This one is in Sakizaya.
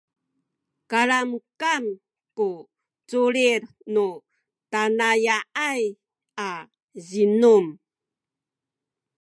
kalamkam ku culil nu tanaya’ay a zinum